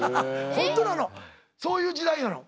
ホントなのそういう時代なの。